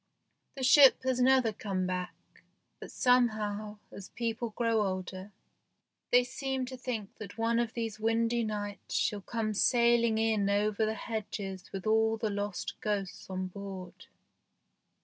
The ship has never come back, but somehow as people grow older they seem to think that one of these windy nights shell come sailing in over the hedges with all the lost ghosts on board.